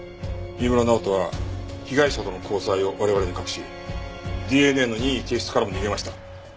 飯村直人は被害者との交際を我々に隠しＤＮＡの任意提出からも逃げました。